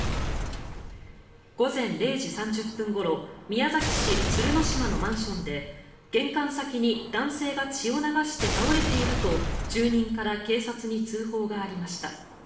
午前０時３０分ごろ宮崎市鶴島のマンションで玄関先に男性が血を流して倒れていると住人から警察に通報がありました。